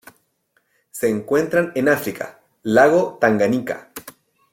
Se encuentran en África: lago Tanganika